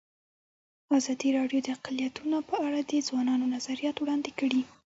ازادي راډیو د اقلیتونه په اړه د ځوانانو نظریات وړاندې کړي.